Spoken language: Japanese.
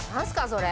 それ。